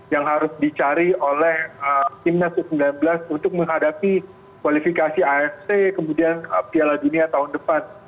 yang harus dicari oleh timnas u sembilan belas untuk menghadapi kualifikasi afc kemudian piala dunia tahun depan